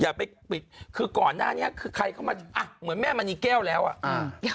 อย่าไปปิดคือก่อนหน้านี้คือใครเข้ามาอ่ะเหมือนแม่มณีแก้วแล้วอ่ะ